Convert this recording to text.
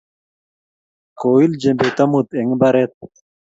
Koil jembet amut eng mbaret